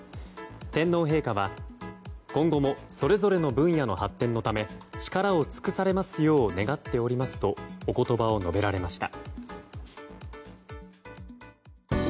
天皇陛下は、今後もそれぞれの分野の発展のため力を尽くされますよう願っておりますとお言葉を述べられました。